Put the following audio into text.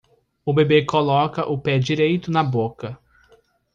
O bebê coloca o pé direito na boca.